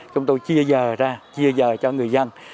chúng tôi chia giờ ra chia giờ cho người dân